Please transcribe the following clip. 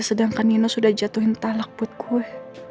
sedangkan nino sudah jatuhin talak buat gue